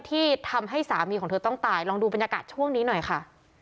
ที่ทำให้สามีของเธอต้องตายลองดูบรรยากาศช่วงนี้หน่อยค่ะ